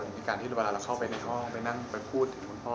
มีการที่เวลาเราเข้าไปในห้องไปนั่งไปพูดถึงคุณพ่อ